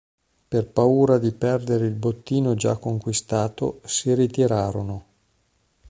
Per paura di perdere il bottino già conquistato, si ritirarono.